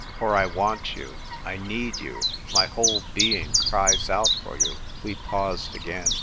For I want 3'ou ; I need you ; my whole being cries out for you." We paused again.